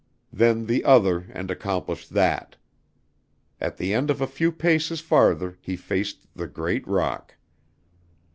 Then the other and accomplished that. At the end of a few paces farther he faced the great rock.